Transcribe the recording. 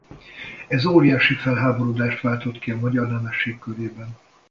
Ez óriási felháborodást váltott ki a magyar nemesség körében.